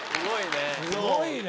すごいね。